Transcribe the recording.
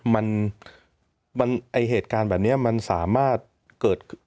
มันไอ้เหตุการณ์แบบนี้มันสามารถเกิด